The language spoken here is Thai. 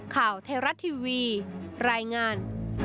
ข่าวเทราติวีรายงาน